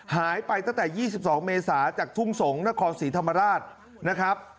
หายไปตั้งแต่๒๒เมษาจากทุ่งสงศ์นครศรีธรรมราชนะครับ